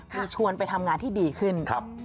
คือชวนไปทำงานที่ดีขึ้น